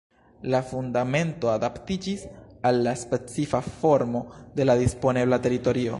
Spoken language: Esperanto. La fundamento adaptiĝis al la specifa formo de la disponebla teritorio.